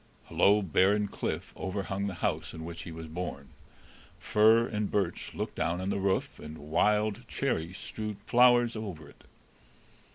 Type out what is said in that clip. A low, barren cliff overhung the house in which he was born; fir and birch looked down on the roof, and wild cherry strewed flowers over it.